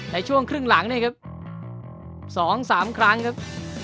ในช่วงครึ่งหลังนะครับสองสามครั้งครับ